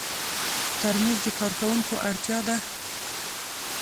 ترموز د کارکوونکو اړتیا ده.